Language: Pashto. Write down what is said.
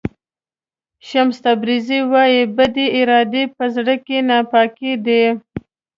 شمس تبریزي وایي بدې ارادې په زړه کې ناپاکي ده.